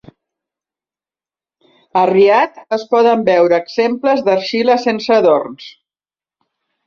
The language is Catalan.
A Riad, es poden veure exemples d'argila sense adorns.